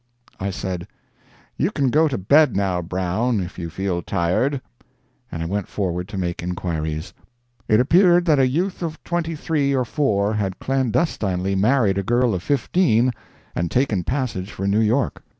I said, "You can go to bed now, Brown, if you feel tired," and I went forward to make inquiries. It appeared that a youth of twenty three or four had clandestinely married a girl of fifteen, and taken passage for New York.